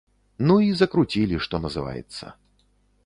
Ну і закруцілі, што называецца.